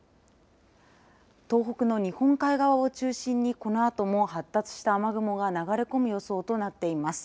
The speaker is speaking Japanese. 東北の日本海側を中心にこのあとも発達した雨雲が流れ込む予想となっています。